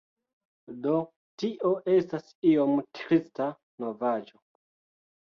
Do tio estas iom trista novaĵo